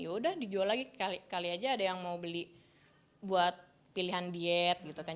yaudah dijual lagi kali aja ada yang mau beli buat pilihan diet gitu kan